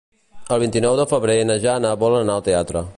El vint-i-nou de febrer na Jana vol anar al teatre.